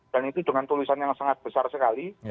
dan itu dengan tulisan yang sangat besar sekali